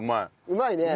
うまいね。